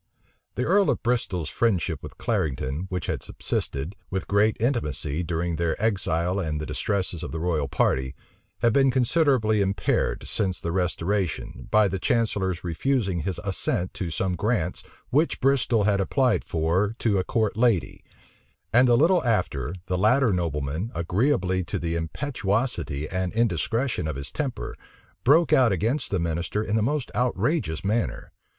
The earl of Bristol's friendship with Clarendon, which had subsisted, with great intimacy, during their exile and the distresses of the royal party, had been considerably impaired, since the restoration, by the chancellor's refusing his assent to some grants which Bristol had applied for to a court lady: and a little after, the latter nobleman, agreeably to the impetuosity and indiscretion of his temper, broke out against the minister in the most outrageous manner.